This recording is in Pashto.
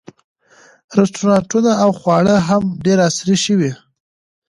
رسټورانټونه او خواړه هم ډېر عصري شوي.